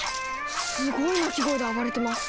すごい鳴き声で暴れてます！